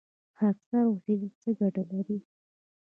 خاکسار اوسیدل څه ګټه لري؟